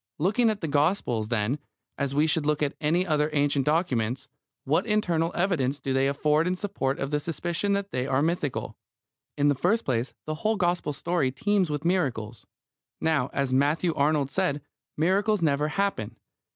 Looking at the Gospels, then, as we should look at any other ancient documents, what internal evidence do they afford in support of the suspicion that they are mythical? In the first place, the whole Gospel story teems with miracles. Now, as Matthew Arnold said, miracles never happen.